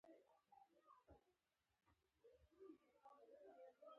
تنور د کلیوالو مینه څرګندوي